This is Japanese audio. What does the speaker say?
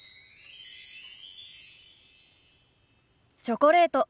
チョコレート。